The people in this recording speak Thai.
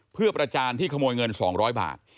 เพื่อประจานที่ขโมยเงิน๒๐๐บาท